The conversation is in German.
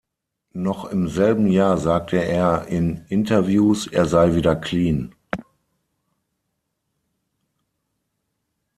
Noch im selben Jahr sagte er in Interviews, er sei wieder clean.